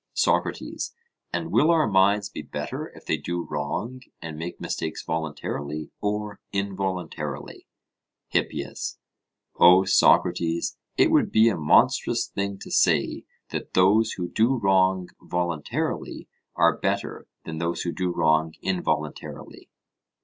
SOCRATES: And will our minds be better if they do wrong and make mistakes voluntarily or involuntarily? HIPPIAS: O, Socrates, it would be a monstrous thing to say that those who do wrong voluntarily are better than those who do wrong involuntarily!